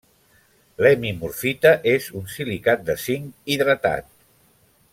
L'hemimorfita és un silicat de zinc hidratat.